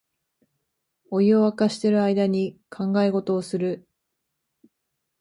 お湯をわかしてる間に考え事をする